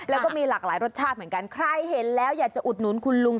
แล้วก็มีหลากหลายรสชาติเหมือนกันใครเห็นแล้วอยากจะอุดหนุนคุณลุง